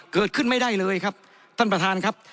เกิดขึ้นไม่ได้เลยครับท่านประธานครับ